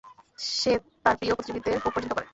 আর সে তার প্রিয় প্রতিযোগীদের ভোট পর্যন্ত করে।